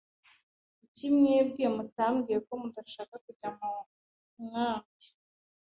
Kuki mwebwe mutambwiye ko mudashaka kujya mukambi?